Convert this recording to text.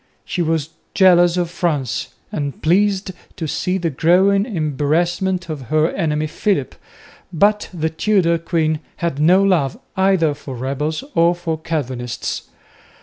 She was jealous of France, and pleased to see the growing embarrassment of her enemy Philip, but the Tudor queen had no love either for rebels or for Calvinists.